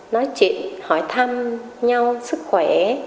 nói chuyện hỏi thăm nhau sức khỏe